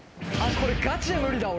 これがちで無理だ俺。